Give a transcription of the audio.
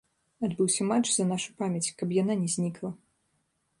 Адбыўся матч за нашу памяць, каб яна не знікла.